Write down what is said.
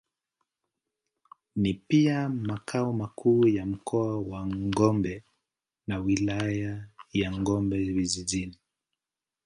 Ni pia makao makuu ya Mkoa wa Njombe na Wilaya ya Njombe Vijijini.